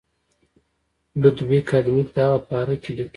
لودویک آدمک د هغه پاره کې لیکي.